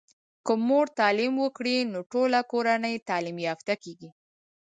که مور تعليم وکړی نو ټوله کورنۍ تعلیم یافته کیږي.